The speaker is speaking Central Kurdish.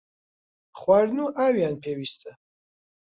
خواردن و ئاویان پێویستە.